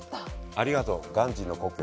ありがとうガンジーの故郷。